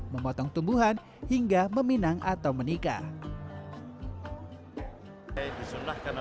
memotong tumbuhan hingga meminang atau menikah